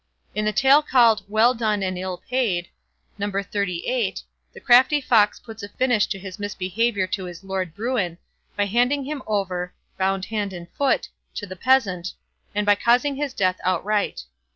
In the tale called "Well Done and Ill Paid", No. xxxviii, the crafty fox puts a finish to his misbehaviour to his "Lord Bruin", by handing him over, bound hand and foot, to the peasant, and by causing his death outright.